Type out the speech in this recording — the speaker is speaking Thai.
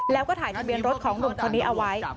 แล้วก็ถ่ายทะเบียนรถของหนุ่มคนนี้เอาไว้